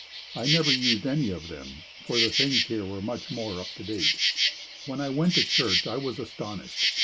I never used any of them for the things here were much more up to date. When I went to church I was astonished.